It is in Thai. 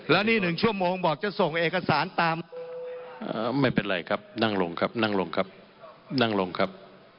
แล้วนี่๑ชั่วโมงบอกเจ้าส่งนะครับ